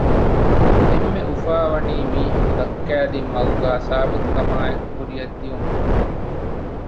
އެންމެ އުފާވަނީ މީހަކު ދައްކައިދިން މަގުގައި ސާބިތުކަމާއެކު ކުރިއަށް ދިއުމުން